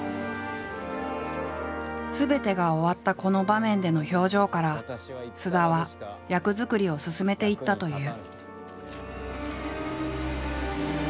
すべてが終わったこの場面での表情から菅田は役作りを進めていったという。